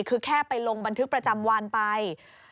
คือแค่ไปลงบันทึกประจำวันไป